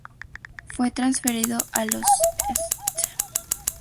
Fue transferido a los St.